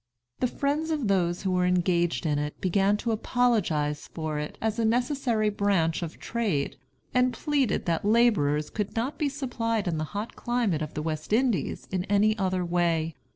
The friends of those who were engaged in it began to apologize for it as a necessary branch of trade, and pleaded that laborers could not be supplied in the hot climate of the West Indies in any other way.